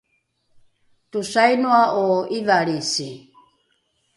tosainoa’o ’ivalrisi?